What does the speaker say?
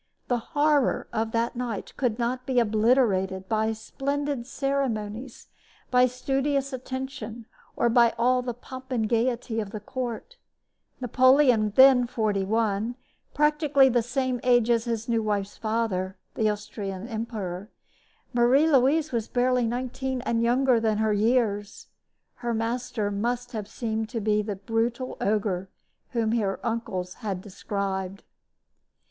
The horror of that night could not be obliterated by splendid ceremonies, by studious attention, or by all the pomp and gaiety of the court. Napoleon was then forty one practically the same age as his new wife's father, the Austrian emperor; Marie Louise was barely nineteen and younger than her years. Her master must have seemed to be the brutal ogre whom her uncles had described.